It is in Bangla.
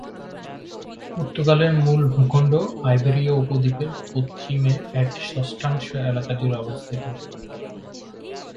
পর্তুগালের মূল ভূখণ্ড আইবেরীয় উপদ্বীপের পশ্চিমের এক-ষষ্ঠাংশ এলাকা জুড়ে অবস্থিত।